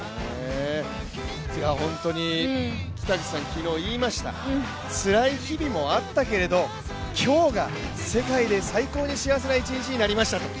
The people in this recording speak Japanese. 北口さん、昨日いいましたつらい日々もあったけど、今日が世界で最高に幸せな一日になりましたと。